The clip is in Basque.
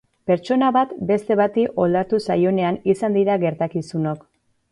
Pertsona bat beste bati oldartu zaionean izan dira gertakizunok.